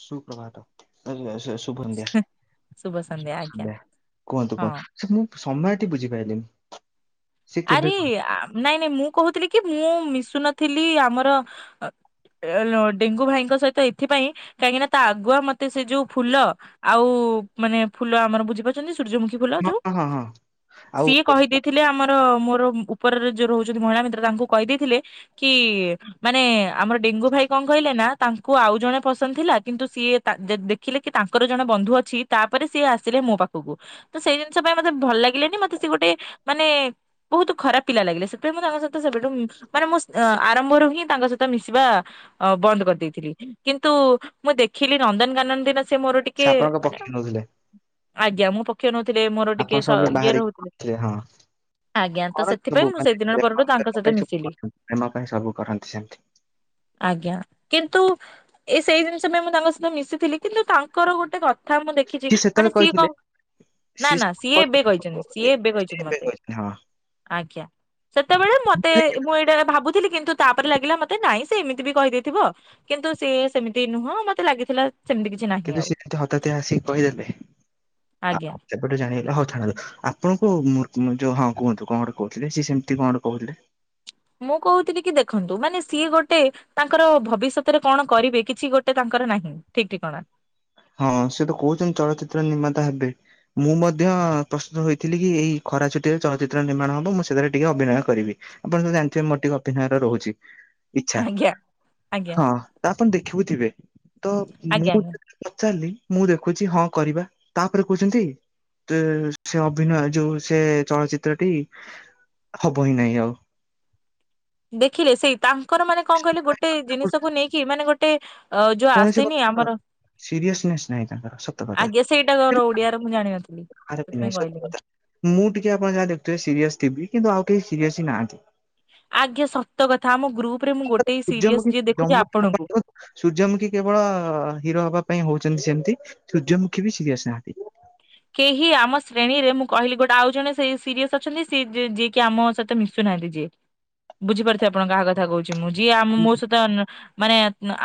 ଶୁପ୍ରଭାତ [unintelligible] ଶୁଭନ୍ଧ୍ୟା। ଶୁଭ ସନ୍ଧ୍ୟା ଆଜ୍ଞା ଶୁଭସନ୍ଧ୍ୟା କୁହନ୍ତୁ ହଁ କୁହନ୍ତୁ ସେ ମୁଁ ସମୟଟି ବୁଝିପାଇଲିିନି। ଆରେ ନାଇଁ ନାଇଁ ମୁଁ କହୁଥିଲି କି ମୁଁ ମିଶୁ ନଥିଲି ଆମର ଡେଙ୍ଗୁ ଭାଇଙ୍କ ସହିତ ଏଥିପାଇଁ କାହିଁକି ନା ତା ଆଗୁଆ ମତେ ସେ ଯୋଉ ଫୁଲ ଆଉ ମାନେ ଫୁଲ ଆମର ବୁଜିପାରୁଚନ୍ତି ସର୍ଯ୍ୟମୁଖୀ ଫୁଲ ହଁ ଯୋଉ ହଁ ହଁ ହଁ। ଆଉ ସିଏ କହିଦେଇଥିଲେ ଆମର ମୋର ଉପରରେ ଯୋଉ ରହୁଚନ୍ତି ମହିଳା ମିତ୍ର ତାଙ୍କୁ କହିଦେଇଥିଲେ କି ମାନେ ଆମର ଡେଙ୍ଗୁ ଭାଇ କଅଁ କହିଲ ନା ତାଙ୍କୁ ଆଉ ଜଣେ ପସନ୍ଦ ଥିଲା କିନ୍ତୁ ସିଏ ତା ଦେ-ଦେଖିଲେ କି ତାଙ୍କର ଜଣେ ବନ୍ଧୁ ଅଛି ତାପରେ ସିଏ ଆସିଲେ। ମୋ ପାଖକୁ ତ ସେଇ ଜିନିଷ ପାଇଁ ମତେ ଭଲ ଲାଗିଲେନି ମତେ ସେଏ ଗୋଟେ ମାନେ ବହୁତ ଖରାପ ପିଲା ଲାଗିଲେ ସେଥିପାଇଁ ମୁଁ ତାଙ୍କ ସହିତ ସେବେଠୁ ମାନେ ମୁଁ ଆରମ୍ଭରୁ ହିଁ ତାଙ୍କ ସହିତ ମିଶିବା ଅ ବନ୍ଦ କରିଦେଇଥିଲି କିନ୍ତୁ ମୁଁ ଦେଖିଲି ନନ୍ଦନକାନନ ଦିନ ସେ ମୋର ଟିକେ ଆପଣଙ୍କ ମାନେ ପକ୍ଷ ନଉଥିଲେ ଆଜ୍ଞା ମୁଁ ପକ୍ଷ ନ ଉଥିଲେ ମୋର ଆପଣ ଟିକେ ସ ସବୁ ବି ଇଏ ବାହାରିକି ରହୁଥିଲେ। ଥିଲେ ହଁ ଆଜ୍ଞା ତ କରନ୍ତି ସବୁ ସେଥିପାଇଁ ମୁଁ ମାନେ ସେଇଦିନ ପ୍ରେମ ପରଠୁ ତାଙ୍କ ପ୍ରେମ ସହିତ ପାଇଁ ସବୁ ମିଶିଲି। କରନ୍ତି ପ୍ରେମ ପାଇଁ ସବୁ କରନ୍ତି ସେମିତି ଆଜ୍ଞା କିନ୍ତୁ ଏ ସେଇ ଜିନିଷ ପାଇଁ ମୁଁ ତାଙ୍କ ସହିତ ମିଶିଥିଲି କିନ୍ତୁ ତାଙ୍କର ଗୋଟେ କ କଥା ମୁଁ ଦେଖିଛି ସିଏ ସେତେବେଳେ ମାନେ ସିଏ କହିଥିଲେ କଣ ନା ନା ସେତେବେଳେ ସିଏ ଏବେ କହିଛନ୍ତି କହିଥିଲେ, ଏ- ସିଏ ଏବେ ସେ କହିଛନ୍ତି ମତେ। ହଁ ଆଜ୍ଞା ସେତେବେଳେ ମତେ ଭାଇ, ମୁଁ ଏଇଟା ଭାବୁଥିଲି କିନ୍ତୁ ତାପରେ ଲାଗିଲା ମତେ ନାଇଁ ସେ ଏମିତି ବି କହିଦେଇଥିବ କିନ୍ତୁ ସିଏ ସେମିତି ନୁହଁ ମତେ ଲାଗିଥିଲା ସେମିତି କିଛି ନାହିଁ କିନ୍ତୁ ଆଉ ସେ ହଠାତିିଆ ଆସିକି କହିଦେଲେ, ଆଜ୍ଞା। ସେବେଠୁ ଜାଣିଗଲି ହଉ ଆପଣଙ୍କୁ ଯୋଉ ହଁ କୁହନ୍ତୁ କଣ ଗୋଟେ କହୁଥିଲି ସିଏ ସେମିତି କଣ କହୁଥିଲେ। ମୁଁ କହୁଥିଲି କି ଦେଖନ୍ତୁ ମାନେ ସିଏ ଗୋଟେ ତାଙ୍କର ଭବିଷ୍ୟତରେ କଣ କରିବେ କିଛି ଗୋଟେ ତାଙ୍କ ଙ୍କର ନାହିଁ ଠିକଠିକଣା। ହଁ ସେ ତ କହୁଛନ୍ତି ଚଳଚିତ୍ର ନିର୍ମାତା ହେବେ। ମୁଁ ମଧ୍ୟ ପ୍ରସ୍ତୁତ ହୋଇଥିଲି କି ଏଇ ଖରା ଛୁଟିରେ ଚଳଚ୍ଚିତ୍ର ନିର୍ମାଣ ହବ ମୁଁ ସେଥିରେ ଟିକେ ଅଭିନୟ କରିବି। ଆପଣ ଯୋଉ ଜାଣିଥିବେ ମୋର ଟିକେ ଅଭିନୟରେ ରହୁଛି। ଇଚ୍ଛା। ଆଜ୍ଞା ଆଜ୍ଞା ହଁ ତ ଆପଣ ଦେଖିବୁଥିବେ। ତ ଆଜ୍ଞା ମୁଁ ଆଜ୍ଞା। ପଚାରିଲି ମୁଁ ଦେଖୁଛି ହଁ କରିବା ତାପରେ କହୁଛନ୍ତି ତ ସେ ଅଭିନୟ ଯୋଉ ସେ ଚଳଚିତ୍ରଟି ହବ ହିଁ ନାଇଁ ଆଉ। ଦେଖିଲେ ସେଇ ତାଙ୍କର ମାନେ କଣ କହିଲେ ଗୋଟେ ଜିନିଷକୁ ନେଇକି ମାନେ ଗୋଟେ ଆଉ ଯୋଉ ଆସିନି ଆମର ସିରିଏସନେସ୍ ନାହିଁ ତାଙ୍କର ସତ କଥା। ଆଜ୍ଞା ସେଇଟା କର ଓଡିଆରେ ମୁଁ ଜାଣିନଥିଲି। ଆରେ ସେଥିପାଇଁ ସତ କହିଲିନି କଥା। ମୁଁ ଟିକେ ଆପଣ ଯାହା ଦେଖୁଥିବେ ସିରିଏସ ଥିବି। କିନ୍ତୁ ଆଉ କେହି ସିରିଏସ ହିଁ ନାହାନ୍ତି। ଆଜ୍ଞା ସତ କଥା ଆମ ଗ୍ରୁପ ରେ ମୁଁ ଗୋଟେ ହିଁ ସିରିଏସ ସୂର୍ଯ୍ୟମୁଖୀ ଯିଏ ଦେଖୁଛି ଜମା ଆପଣଙ୍କୁ। ଆପଣ ସୂର୍ଯ୍ୟମୁଖୀ କେବଳ ହିରୋ ହବା ପାଇଁ ହଉଛନ୍ତି ସେମତି। ସୂର୍ଯ୍ୟମୁଖୀ ବି ସିିରିଏସ ନାହାନ୍ତି। କେହି ଆମ ଶ୍ରେଣୀରେ ମୁଁ କହିଲି ଗୋଟେ ଆଉ ଜଣେ ସେ ସିରିଏସ ଅଛନ୍ତି ସି ଯି-ଯି-ଯିଏକି ଆମ ସହିତ ମିଶୁ ନାହାଁନ୍ତି ଯିଏ। ବୁଝିପାରୁଥିବେ ଆପଣ କାହା କଥା କହୁ ମୁଁ ଯିଏ ଆମ ମୋ ସହିତ ମାନେ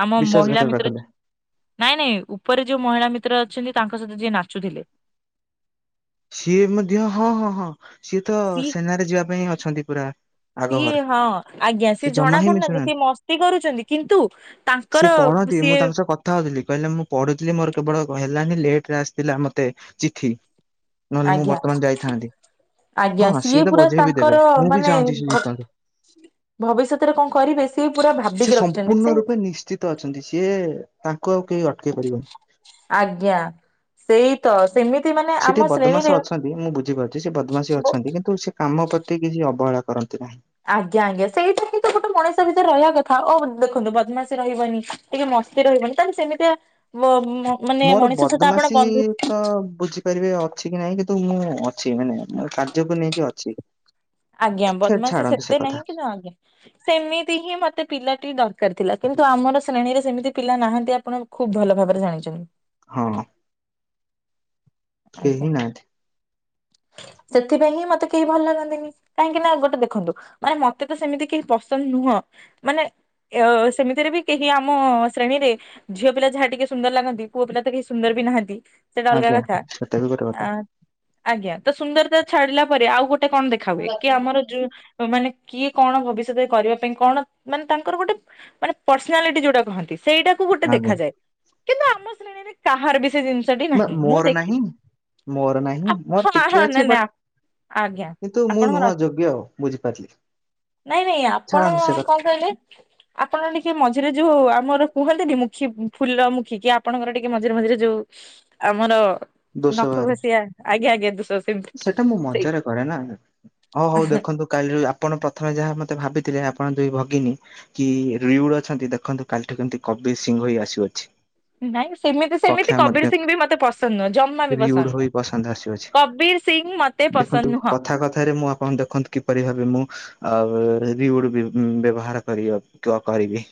ଆମ ମହିଳା ବିଶ୍ୱାସଘାତକଟା ମିତ୍ର କଲେ ନାଇଁ ନାଇଁ। ଉପରେ ଯୋଉ ମହିଳା ମିତ୍ର ଅଛନ୍ତି ତାଙ୍କ ସହିତ ଯିଏ ନାଚୁଥିଲେ। ସିଏ ମଧ୍ୟ ହଁ ହଁ ହଁ ସିଏ ତ ସେନାରେ ଯିବା ପାଇଁ ଅଛନ୍ତି ପୁରା। ଆଗଭର ସିଏ ହଁ ଆଜ୍ଞା ସେ ସିଏ ଜମା ଜଣା ହିଁ ପଡୁନାହାନ୍ତି ସିଏ ମିଶୁନାହାନ୍ତି। ମସ୍ତି କରୁଛନ୍ତି କିନ୍ତୁ ସିଏ ତାଙ୍କର ପଢନ୍ତି ମୁଁ ସିଏ ତାଙ୍କ ସହ କଥା ହଉଥିଲି କହିଲେ ମୁଁ ପଢୁଥିଲି ମୋର କେବଳ ଘ ହେଲାନି ଲେଟରେ ଆସିଥିଲା ମତେ ଚିଠି। ନହେଲେ ମୁଁ ଆଜ୍ଞା ବର୍ତ୍ତମାନ ଯାଇଥାନ୍ତି। ଆଜ୍ଞା ହଁ ସିଏ ତ ପୁରା ବଜେଇ ବିି ତାଙ୍କର ଦେବେ। ମୁଁ ବି ମାନେ ଚାହୁଁଛି ସେ ଭ ଜିତନ୍ତୁ। ଭବିଷ୍ୟତରେ କଣ କରିବେ ସିଏ ପୁରା ସେ ଭାବିକି ରଖିଛନ୍ତି ସମ୍ପୂର୍ଣ୍ଣ ସେ ରୂପେ ନିଶ୍ଚିତ ଅଛନ୍ତି ସିଏ ତା ଙ୍କୁ ଆଉ କିଏ ଅ ଆଜ୍ଞା ସେଇ ତ। ସେମିତି ମାନେ ସେ ଟିକେ ଆମ ଶ୍ରେଣୀରେ ବଦମାସ ଅଛନ୍ତି ମୁଁ ବୁଝିପାରୁଛି ସେ ବଦମାସୀ ଅଛନ୍ତି କିନ୍ତୁ ସେ କାମ ପ୍ରତି କିଛି ଅବହେଳା କରନ୍ତି ନାହିଁ। ଆଜ୍ଞା ଆଜ୍ଞା ସେଇଟା ହିଁ ତ ଗୋଟେ ମଣିଷ ଭିତରେ ରହିବା କଥା ଓ ଦେଖନ୍ତୁ ବଦମାସୀ ରହିବନି ଟିକେ ମ ସ୍ତି ରହିବନି ତାହେଲେ ସେମିତିଆ ବ ମୋର ବଦମାସୀ ତ ବୁଝିପାରିବେ ଅଛି କି ନାଇଁ କି ମୁଁ ଅଛି ମାନେ ମୋ କାର୍ଯ୍ୟକୁ ନେଇକି ଅଛି। ଆଜ୍ଞା ଖେ- ବଦ୍ମାସୀ ଛାଡନ୍ତୁ ସେ ସେତେ କଥା ନାହିଁ କିନ୍ତୁ ଆଜ୍ଞା ସେମିତି ହିଁ ମତେ ପିଲାଟି ଦରକାର ଥିଲା। କିନ୍ତୁ ଆମର ଶ୍ରେଣୀରେ ସେମିତି ପିଲା ନାହାନ୍ତି ଆପଣ ଖୁବ୍ ଭଲ ଭାବରେ ଜାଣିଛନ୍ତି। ହଁ। ଆଜ୍ଞା କେହି ନାହାନ୍ତି। [inaudible] ସେଥିପାଇଁ ହିଁ ମତେ କେହି ଭଲ ଲାଗନ୍ତିନି। କାହିଁକି ନା ଗୋଟେ ଦେଖନ୍ତୁ ମାନେ ମତେ ତ ସେମିତି କେହି ପସନ୍ଦ ନୁହଁ। ହଁ ମାନେ ଅ ସେମିତିରେ ବି କେହି ଆମ ଶ୍ରେଣୀରେ ଝିଅ ପିଲା ଯାହା ଟିକେ ସୁନ୍ଦର ଲାଗନ୍ତି। ପୁଅ ପିଲା ତ କେହି ସୁନ୍ଦର ବି ନାହାନ୍ତି। ସେଇଟା ଅଲଗା ଆଜ୍ଞା କଥା। ସେଟା ବି ଗୋଟେ କଥା। ଆ ଆଜ୍ଞା ତ ସୁନ୍ଦରତା ଛାଡିଲା ପରେ ଆଉ ଗୋଟେ କଣ ଦେଖା ହୁଏ କି ଆମର ଯୋଉ ମାନେ କିଏ କଣ ଭବିଷ୍ୟତରେ କରିବା ପାଇଁ କଣ ମାନେ ତାଙ୍କର ଗୋଟେ ମାନେ ପର୍ସନାଲିଟି ଯୋଉଟା କହନ୍ତି। ସେଇଟାକୁ ଗୋଟେ ଆଜ୍ଞା ଦେଖାଯାଏ କିନ୍ତୁ ଆମ ଶ୍ରେଣୀରେ କାହାର ବି ସେ ଜିନ ମୋ ମୋର ନାହିଁ ମୋର ନାହିଁ ମୋର ହଁ ଟିକେ ହଁ ଅଛି ନାଇଁ ନାଇଁ ବଟ ଆଜ୍ଞା କିନ୍ତୁ ମୁଁ ଆପଣଙ୍କର ନୁହଁ ଅଛି ଯୋଗ୍ୟ ବୁଝିପାରିଲି। ନାଇଁ ନାଇଁ ଆପଣ ଛାଡ଼ନ୍ତୁ ସେ କଥା କଣ କହିଲେ ଆପଣ ଟିକେ ମଜ ମଝିରେ ଯୋଉଁ ଆମର କୁହନ୍ତିନି ମୁଖୀ ଫୁଲ ମୁଖୀ କି ଆପଣଙ୍କର ଟିକେ ମଝିରେ ମଝିରେ ଯୋଉଁ ଆମର ଦୋଷ ନଖ ବାହାରେ ଖସିଆ ଆଜ୍ଞା ଆଜ୍ଞା ଦୁଶ ସେଟା ମୁଁ ସେଇ। ମଜାରେ କରେ ନା ହଉ ହଉ ଦେଖନ୍ତୁ କାଲିରୁ ଆପଣ ପ୍ରଥମେ ଯାହା ମ ମତେ ଭାବିଥିଲେ ଆପଣ ଦୁଇ ଭଗିନୀ କି ରିଉଡ ଅଛନ୍ତି ଦେଖନ୍ତୁ କାଲିଠୁ କେମିତି କବିର ସିଂହ ଆସୁଅଛି। ନାଇଁ ସେମିତି ସେମିତି କକ୍ଷା ମଧ୍ୟ କବିର ସିଂଘ ବି ମତେ ପସନ୍ଦ ନୁହଁ। ଜମା ବି ରିଉଡ ପସନ୍ଦ ହୋଇ ନୁହ ପସନ୍ଦ ଆସୁଅଛି। କବୀର ସିଂ ମତେ ପସନ୍ଦ ଦେଖନ୍ତୁ ନୁହଁ କଥା କଥାରେ ମୁଁ ଆପଣ ଦେଖନ୍ତୁ କିପରି ଭାବେ ମୁଁ ଆଉ ରିଉଡ ବି ବ୍ୟବହାର କରିବ କ-କରିବି।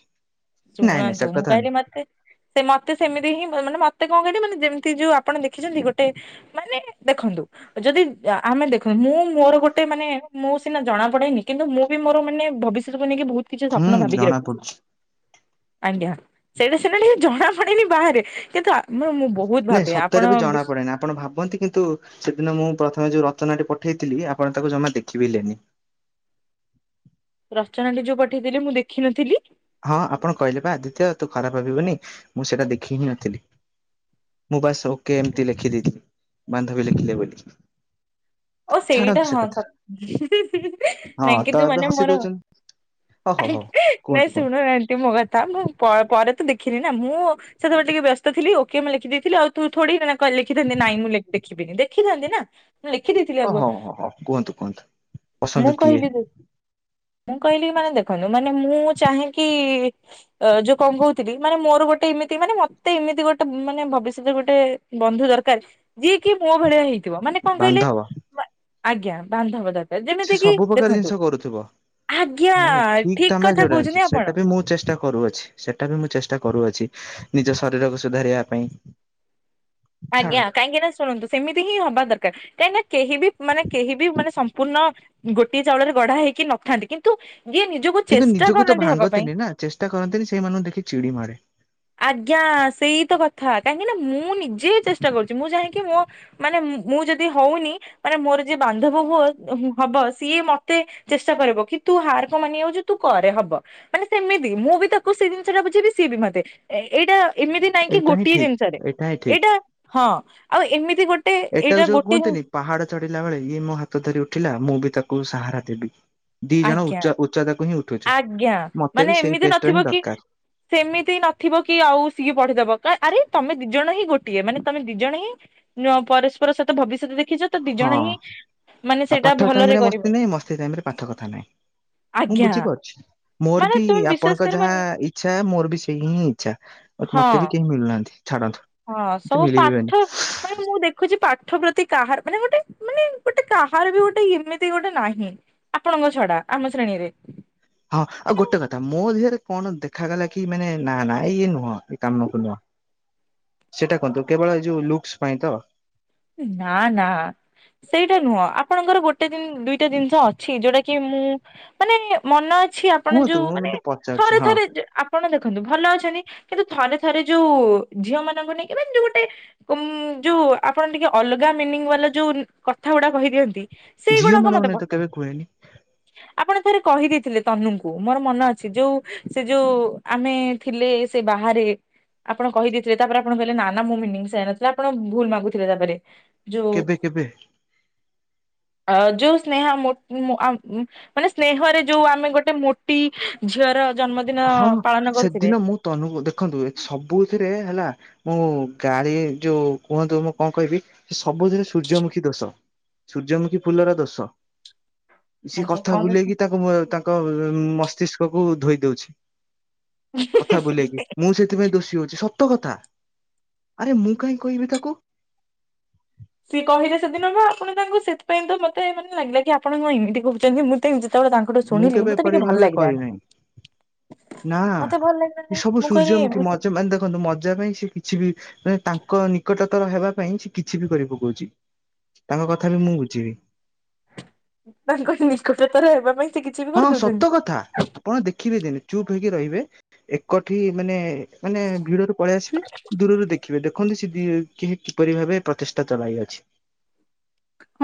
ଶୁଣନ୍ତୁ ମୁଁ କହିଲି ମତେ ସେ ମତେ ସେମିତି ହିଁ ଭ ମାନେ ମତେ ଙ୍କ କହିଲେ ମାନେ ଯେମିତି ଯୋଉ ଆପଣ ଦେଖିଛନ୍ତି ଗୋଟେ ମାନେ ଦେଖନ୍ତୁ ଯଦି ଆ-ଆମେ ଦେଖୁନ୍ତୁ ମୁଁ ମୁଁ ମୋର ଗୋଟେ ମାନେ ମୁଁ ସିନା ଜଣାପଡ଼େନି କିନ୍ତୁ ମୁଁ ବି ମୋର ମାନେ ଭବିଷ୍ୟତ ନେଇକି ବହୁତ କିଛି ହୁଁ ସପ୍ନ ଭାବିକି ଜଣା ରଖିଛି ପଡୁଛି। ଆଜ୍ଞା ସେଇଟା ସିନା ଟିକେ ଜଣା ପଡେନି ବାହାରେ କିନ୍ତୁ ଆମ ମୁଁ ବହୁତ ନାଇଁ ଭାବେ ଆପଣ ସତରେ ବି ଜଣା ବିଶ୍- ପଡେନି ଆପଣ ଭାବନ୍ତି କିନ୍ତୁ ସେଦିନ ମୁଁ ପ୍ରଥମେ ଯୋଉ ରଚନାଟି ପଢି ପଠେଇଥିଲି ଆପଣ ତାକୁ ଜମା ଦେଖିବେଲେନି ରଚନାଟି ଯୋଉଁ ପଠେଇଥିଲେ ମୁଁ ଦେଖିନଥିଲି। ହଁ ଆପଣ କହିଲେ ବା ଆଦିତ୍ୟ ତୁ ଖରାପ ଭାବିବୁନି ମୁଁ ସେଇଟା ଦେଖି ହିଁ ନଥିଲି ମୁଁ ବାସ ଓକେ ଏମିତି ଲେଖିଦଥିଲି ବାନ୍ଧବୀ ଲେଖିଲେ ବୋଲି। ଓ ସେଇଟା ଛାଡନ୍ତୁ ସେ ହଁ ସ କଥା [inaudible] ନାଇଁ ହଁ ତ କିନ୍ତୁ ଏବେ ମାନେ ହସି ମୋର ଦଉଛନ୍ତି ଓ ହୋ ହୋ। [inaudible] ନାଇଁ କୁହନ୍ତୁ ଶୁଣ କୁହନ୍ତୁ ନାଟି ମୋ କଥା ମୁଁ ପ ପରେ ତ ଦେଖିନି ନା ମୁଁ ସେତେବେଳେ ଟିକେ ବ୍ୟସ୍ତ ଥିଲି ଓକେ ମୁଁ ଲେଖିଦେଇଥିଲି ଆଉ ତୁ ଥୋଡିନା ଲେଖିଥାନ୍ତି ନାଇଁ ଦେଖିବିନି ଦେଖିଥାାନ୍ତି ନା ମୁଁ ଦେଇଥିଲି ଓ ଆଗୁଆ ହୋ ହ ହଁ କୁହନ୍ତୁ କୁହନ୍ତୁ ମୁଁ ପସନ୍ଦ କିଏ କହିଲି ଦେ- ମୁଁ କହିଲି କି ମାନେ ଦେଖନ୍ତୁ ମାନେ ମୁଁ ଚାହିଁକି ଯୋଉଁ କଣ କହୁଥିଲି ମାନେ ମୋର ଗୋଟେ ଏମିତି ମାନେ ମତେ ଏମିତି ଗୋଟେ ମାନେ ଭବିଷ୍ୟତରେ ଗୋଟେ ବନ୍ଧୁ ଦରକାର ଯିଏ କି ମୋ ଭଳିଆ ହୋଇ ଥିବ ମାନେ କଣ କହିଲେ ବାନ୍ଧବ। ଆଜ୍ଞା ବାନ୍ଧଵ ଦା ସେ ସବୁ ପ୍ରକାର ଜିନିଷ କରୁଥିବ। ଆଜ୍ଞା ମାନେ ଠିକ ତମେ କଥା ଯୋଉଟା କହୁଛନ୍ତି ଆପଣ ସେଟା ବି ମୁଁ ଚେଷ୍ଟା କରୁଅଛି ସେଇଟା ବି ମୁଁ ଚେଷ୍ଟା କରୁଅଛି ନିଜ ଶରୀରକୁ ସୁଧାରିବା ପାଇଁ ଆଜ୍ଞା ଛାଡ଼ନ୍ତୁ। କାହିଁକି ନା ଶୁଣନ୍ତୁ ସେମିତି ହିଁ ହବା ଦରକାର କାହିଁକି ନା କେହି ବି ମାନେ କେହି ବି ମାନେ ସମ୍ପୂର୍ଣ୍ଣ ଗୋଟିଏ ଚାଉଳରେ ଗଢା ହେଇକି ନଥାନ୍ତି କିନ୍ତୁ ଯିଏ ନିଜକୁ କିନ୍ତୁ ଚେଷ୍ଟା ନିଜକୁ ତ କରନ୍ତି ହବା ପାଇଁ ଭାଙ୍ଗନ୍ତିନି ନା ଚେଷ୍ଟା କରନ୍ତିନି ସେଇମାନଙ୍କୁ ଦେଖି ଚିଡି ମାରେ ଆଜ୍ଞା ସେଇ ତ କଥା କାହିଁକି ନାଁ ମୁଁ ନିଜେ ଚେଷ୍ଟା କରୁଛି ମୁଁ ଯାଇକି ମୋ ମାନେ ମୁଁ ଯଦି ହଉନି ମାନେ ମୋର ଯିଏ ବାନ୍ଧବ ହୁଅ ହବ ସିଏ ମତେ ଚେଷ୍ଟା କରିବ କି ତୁ ହାର କ ମାନ ଯାଉଛ ତୁ କରେ ହବ ମାନେ ସେମିତି ମୁଁ ମୁ ତାକୁ ସେ ଜିନିଷ ଟା ବୁଝିବି ସିଏ ବି ମତେ ଏଇଟା ଏମିତି ନାଇଁ କି ଏଇଟା ହିଁ ଗୋଟିଏ ଠିକ। ଜିନିଷରେ ହିଁ ଠିକ ଏଇଟା ହଁ ହଁ ଆଉ ଏମିତି ଗୋଟେ ଏଇଟା ଏଇଟାକୁ ଯୋଉଁ ଗୋଟେ କୁହନ୍ତିନି ପାହାଡ ଚଢିଲା ବେଳେ ଇଏ ମୋ ହାତ ଧରି ଉଠିଲା ମୁଁ ବି ତାକୁ ସହାରା ଦେବି। ଦି ଜଣ ଆଜ୍ଞା ଉଚ୍ଚ ଉଚ୍ଚତାକୁ ହିଁ ଉଠୁଛୁ ଆଜ୍ଞା ମତେ ମାନେ ବି ସେଇ ଏମିତି ଟେଷ୍ଟ ହିଁ ନଥିବ କି ଦରକାର ସେମିତି ନଥିବ କି ଆଉ ସିଏ ପଢିଦବ କ ଆରେ ତମ ଦି ଜଣ ହିଁ ଗୋଟିଏ ମାନେ ତମେ ଦି ଜଣ ହିଁ ପରସ୍ପର ସହିତ ଭବିଷ୍ୟତରେ ଦେଖିଛ ତ ଦି ହଁ। ଜଣ ହିଁ ମାନେ ଆଉ ସେଇଟା ପାଠ ଟାଇମ ଭଲରେ ରେ ମସ୍ତି କରିବ ନାହିଁ ମସ୍ତି ଟାଇମ ରେ ପାଠ କଥା ନାଇଁ ମୁଁ ଆଜ୍ଞା ବୁଝିପାରୁଛି ମୋର ମାନେ ବି ତୁମେ ବିଶ୍ଵାସ ଆପଣଙ୍କ ଯାହା କରିବନି ଇଚ୍ଛା ମୋର ବି ସେଇ ହିଁ ଇଚ୍ଛା ହଁ ମତେ ବି କେହି ମିଳୁନାହାନ୍ତି। ଛାଡନ୍ତୁ ହଁ ମତେ ସବୁ ମିଳିବିବେନି। ପାଠ ମାନ ମୁଁ ଦେଖୁଛି ପାଠ ପାଠ ପ୍ରତି କାହାର ମାନେ ଗୋଟେ ମାନେ ଗୋଟେ କାହାର ବି ଗୋଟେ ଏମିତି ଗୋଟେ ନାହିଁ ଆପଣଙ୍କ ଛଡା ଆମ ଶ୍ରେଣୀରେ। ହଁ ଆଉ ଗୋଟେ କଥା ମୋ ଦେହରେ କଣ ଦେଖାଗଲା କି ମାନେ ନା ନା ଇଏ ନୁହଁ ଏ କାମକୁ ନୁହଁ। [inaudible] ସେଟା କୁହନ୍ତୁ କେବଳ ଏଇ ଯୋଉ ଲୁକ୍ସ ପାଇଁ ତ। ନା ନା ସେଇଟା ନୁହଁ ଆପଣଙ୍କର ଗୋଟେ ଦୁଇଟା ଜିନିଷ ଅଛି ଯୋଉଟା କି ମୁଁ ମାନେ ମନ କିଛି ଆପଣ କୁହନ୍ତୁ ଯୋଉ ମୁଁ ମାନେ ମତେ ପଚାରୁଛି ଥରେ ହଁ। ଥରେ ଆପଣ ଦେଖନ୍ତୁ ଭଲ ଅଛନ୍ତି କିନ୍ତୁ ଥରେ ଥରେ ଯୋଉ ଝିଅ ମାନଙ୍କୁ ନେଇକି ମାନେ ଯୋଉ ଗୋଟେ ଉ ଯୋଉ ଆପଣ ଟିକେ ଅଲଗା ମିନିଂ ବାଲା ଯୋଉ କଥା ଗୁଡା କହିଦିଅନ୍ତି ସେଇ ଝିଅ ଗୁଣକ ମାନଙ୍କ ମତେ ନାଇ ତ ପସନ୍ଦ କେବେ କୁହେନି ଆପଣ ପରେରେ କହିଦେଇଥିଲେ ତନୁଙ୍କୁ ମୋର ମନ ଅଛି ଯୋଉ ସେ ଯୋଉ ଆମେ ଥିଲେ ସେ ବାହାରେ ଆପଣ କହିଦେଇଥିଲେ ତାପରେ ଆପଣ କହିଲେ ନା ନା ମୁଁ ମିନିଂ ଯାଇନଥିଲା ଆପଣ ଭୁଲ ମାଗୁଥିଲେ ତାପରେ ଯୋଉ କେବେ? କେବେ? [inaudible] ଯୋଉ ସ୍ନେ [unintelligible] ମାନେ ସ୍ନେହରେ ଯୋଉ ଆମେ ଗୋଟେ ମୋଟି ଝିଅର ଜନ୍ମଦିନ ହଁ। ପାଳନ କରୁଥିଲେ ସେଦିନ ମୁଁ ତନୁଙ୍କୁ। ଦେଖନ୍ତୁ, ସବୁଥିରେ ହେଲା ମୁଁ ଗାଳି ଯୋଉ କୁହନ୍ତୁ ମୁଁ କଣ କହିବି। ସେ ସବୁଥିରେ ସୂର୍ଯ୍ୟମୁଖୀ ଦୋଷ। ସୂର୍ଯ୍ୟମୁଖୀ ଫୁଲର ଦୋସ ସେ ଆଜ୍ଞା କଥା କଣ ବୁଲେଇକି କରୁଛନ୍ତି? ତାଙ୍କ, ତାଙ୍କ ମସ୍ତିଷ୍କକୁ ଧୋଇ ଦେଉଛି। କଥା ବୁଲେଇକି। ମୁଁ ସେଥିପାଇଁ ଦୋଷୀ ହଉଛି। ସତ କଥା। ଆରେ ମୁଁ କାହିଁକି କହିବି ତାକୁ। ସିଏ କହିଲେ ସେଦିନ ବା ଆପଣ ତାଙ୍କୁ ସେଥିପାଇଁ ତ ମତେ ମାନେ ଲାଗିଲା କି ଆପଣ କ ଏମିତି କହୁଛନ୍ତି ମୁଁ ତ ଯେତେବେଳେ ତାଙ୍କଠୁ ମୁଁ ଶୁଣିଲି କେବେ ମତେ ଏପରି ଟିକେ ଭଲ ଭାବେ ଲାଗିଲାନି କହିନାହିଁ। ନାଁ। ମତେ ଭଲ ସେ ଲାଗିଲାନି ସବୁ ମୁଁ କହିଲି ସୂର୍ଯ୍ୟମୁଖୀ। ଏମିତି ମଜା ମାନେ ଦେଖନ୍ତୁ, ମଜା ପାଇଁ ସେ କିଛି ବି ମାନେ ତାଙ୍କ ନିକଟ ର ହେବା ପାଇଁ ସେ କିଛି ବି କରି ପକଉଛି। ତାଙ୍କ କଥା ବି ମୁଁ ବୁଝିବି। ତାଙ୍କ ନିକଟଥର ହେବା ପାଇଁ ସେ କିଛି ବି ହଁ କରିଦଉଛନ୍ତି ସତ କଥା। ଆପଣ ଦେଖିବେ ଦିନେ। ଚୁପ ହେଇକି ରହିବେ। ଏକଠି ମାନେ ମାନେ ଭିଡରୁ ପଳେଇ ଆସିବେ। ଦୂରରୁ ଦେଖିବେ ଦେଖିବେ ଦେଖନ୍ତୁ ସେ କିପରି ଭାବେ ପ୍ରଚେଷ୍ଟା ଚଳାଇଅଛି।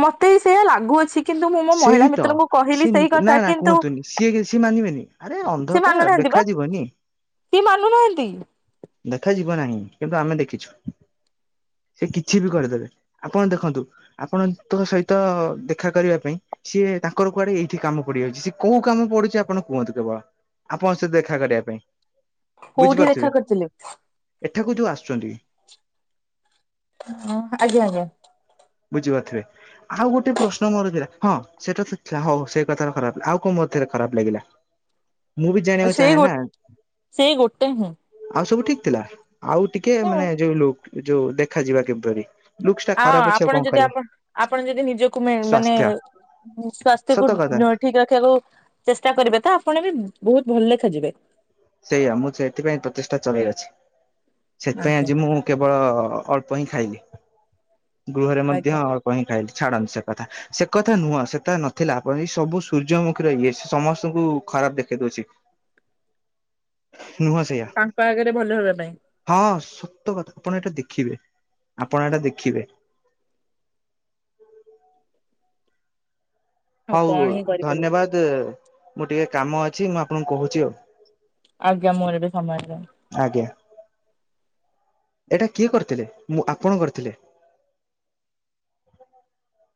ମତେ ସେଇୟା ଲାଗୁଅଛି। କିନ୍ତୁ, ମୁଁ ମୋ ସେହି ମହିଳା ତ ମିତ୍ରଙ୍କୁ ସିଏ କହିଲି ସେଇ ନା କଥା ନା କି କୁହନ୍ତୁନି ସିଏ, ସିଏ ମାନିବେନି ଆରେ ସେ ଅନ୍ଧପା ମାନୁନାହାନ୍ତି ବା ଦେଖାଯିବନି। [unintelligible] ଦେଖାଯିବ ନାହିଁ। କିନ୍ତୁ ଆମେ ଦେଖିଛୁ‌। ସେ କିଛି ବି କରିଦେବେ। ଆପଣ ଦେଖନ୍ତୁ, ଆପଣ ତାଙ୍କ ସହିତ ଦେଖା କରିବା ପାଇଁ ସିଏ ତାଙ୍କର କୁଆଡେ ଏଇଠି କାମ ପଡିଯାଉଛି। ସେ କୋଉ କାମ ପଡୁଛି ଆପଣ କୁହନ୍ତୁ। କେବଳ ଆପଣ ସେ ଦେଖା କରିବା ପାଇଁ। କୋଉଠି ବୁଝିପାରୁଥିବେ ଦେଖା କରିଥିଲେ? ଏଠାକୁ ଯୋଉ ଆସୁଛନ୍ତି ହଁ ।ଆଜ୍ଞା, ଆଜ୍ଞା। ବୁଝିପାରୁଥିବେ। ଆଉ ଗୋଟେ ପ୍ରଶ୍ନ ମୋର ଥିଲା। ହଁ, ସେଟା ତ ଥିଲା। ହଉ ସେଇ କଥା ଖରାପଥିଲା ଆଉ କଣ ରେ, ଖରାପ ଲାଗିଲା। ମୁଁ ବି ଜାଣିବାକୁ ସେଇ ଚାହେଁ ଗୋ ନା ସେଇ ଗୋ ଆଉ ସବୁ ଠିକ ଥିଲା। ଆଉ ଟିକେ ମାନେ ଯୋଉ ଯୋଉ ଦେଖାଯିବା କିପରି? ଲୁକ୍ ଟା ଆ ଖରାପ ଅଛି ଆପଣ କଣ ଯଦି। କରିବା ଆପଣ, ଆପଣ ଯଦି ନିଜକୁ ମାନେ ସ୍ୱାସ୍ଥ୍ୟ ସ୍ଵାସ୍ଥ୍ୟକୁ ସତ କଥା। ଠିକ ରଖିବାକୁ ଚେଷ୍ଟା କରିବେ ତ ଆପଣ ବି ବହୁତ ଭଲ ଦେଖା ଯିବେ। ସେଇଆ ମୁଁ ସେଥିପାଇଁ ପ୍ରଚେଷ୍ଟା ଚଲେଇ ଅଛି। ସେଥପାଇଁ ଆଜ୍ଞା ଆଜି ମୁଁ କେବଳ ଅଳ୍ପ ହିଁ ଖାଇଲି। ଗୃହରେ ମଧ୍ୟ ଆଜ୍ଞା ଅଳ୍ପ ହିଁ ଖାଇଲି। ଛାଡ଼ନ୍ତୁ ସେ କଥା। ସେ କଥା ନୁହଁ। ସେଟା ନଥିଲା, ଆପ ଏଇ ସବୁ ସୂର୍ଯ୍ୟମୁଖୀର ଇଏ, ସେ ସମସ୍ତୁଙ୍କୁ ଖରାପ ଦେଖେଇ ଦଉଛି। [inaudible] ନୁହଁ ସେଇଆ ତାଙ୍କ ଆଗରେ ଭଲ ହେବା ପାଇଁ ହଁ, ସତ କଥା। ଆପଣ ଏଇଟା ଦେଖିବେ। ଆପଣ ଏଟା ଦେଖିବେ। ଆଉ କଣ ହଉ ହିଁ କରିପାରିବା ଧନ୍ୟବାଦ। ମୋର ଟିକେ କାମ ଅଛି। ମୁଁ ଆପଣଙ୍କୁ କହୁଛି ଆଉ। ଆଜ୍ଞା ମୋର ଏବେ ସମୟ ହେଲାଣି। ଆଜ୍ଞା ଏଇଟା କିଏ କରିଥିଲେ? ମୁଁ ଆପଣ କରିଥିଲେ। [inaudible]